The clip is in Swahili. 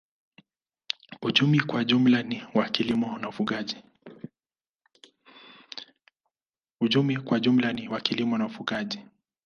Uchumi kwa jumla ni wa kilimo na ufugaji.